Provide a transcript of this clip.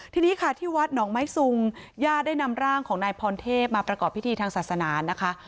ทีนี้ค่ะที่วัดหนองไม้ซุงญาติได้นำร่างของนายพรเทพมาประกอบพิธีทางศาสนานะคะ